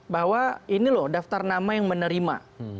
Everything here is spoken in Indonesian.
bahwa ini loh daftar nama yang menerima